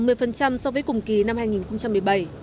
giảm một mươi so với cùng kỳ năm hai nghìn một mươi bảy